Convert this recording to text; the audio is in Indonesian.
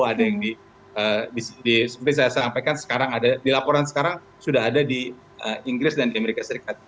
ada yang seperti saya sampaikan sekarang ada di laporan sekarang sudah ada di inggris dan di amerika serikat